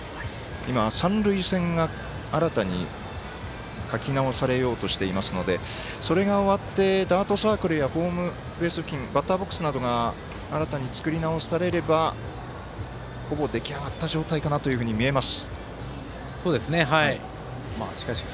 今、三塁線が新たに書き直されようとしていますのでそれが終わってネクストバッターズサークルホームベース付近バッターボックスなどが新たに作り始められればほぼ出来上がった状態かなというふうに見えます。